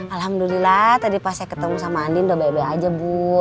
alhamdulillah tadi pas saya ketemu sama andin udah baik baik aja bu